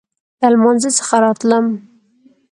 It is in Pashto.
له لمانځه څخه راتلم.